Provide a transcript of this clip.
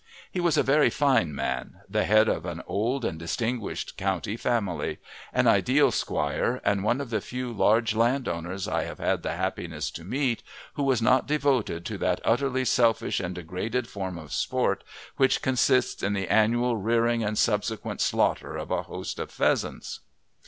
He was a very fine man, the head of an old and distinguished county family; an ideal squire, and one of the few large landowners I have had the happiness to meet who was not devoted to that utterly selfish and degraded form of sport which consists in the annual rearing and subsequent slaughter of a host of pheasants.